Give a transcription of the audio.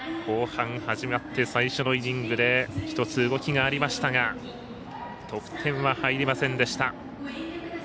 後半始まって最初のイニングで１つ、動きがありましたが得点は入りませんでした。